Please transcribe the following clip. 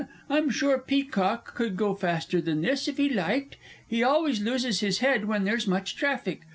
I'm sure Peacock could go faster than this if he liked he always loses his head when there's much traffic.